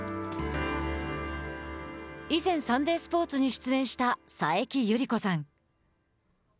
以前サンデースポーツに出演した佐伯夕利子さん。